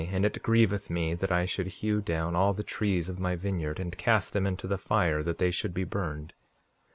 And it grieveth me that I should hew down all the trees of my vineyard, and cast them into the fire that they should be burned.